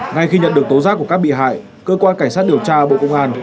ngay khi nhận được tố giác của các bị hại cơ quan cảnh sát điều tra bộ công an